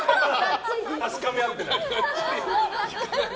確かめ合ってる。